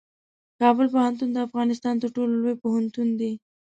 کابل پوهنتون د افغانستان تر ټولو لوی پوهنتون دی.